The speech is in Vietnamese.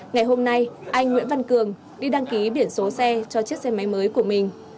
ngày hôm nay anh nguyễn văn cường đi đăng ký biển số xe cho chiếc xe máy mới của mình